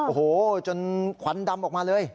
โอ้โหจนขวัญดำออกมาเลย